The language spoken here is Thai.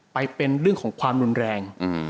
ไปเป็นเรื่องของความรุนแรง